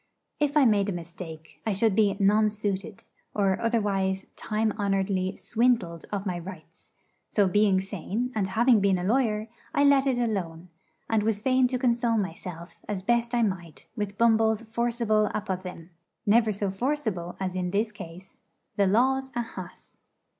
If I made a mistake, I should be 'nonsuited,' or otherwise time honouredly swindled of my rights: so being sane and having been a lawyer, I let it alone; and was fain to console myself as best I might with Bumble's forcible apothegm never so forcible as in this case 'The law's a hass.'